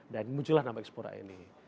dan muncullah nama ekspora ini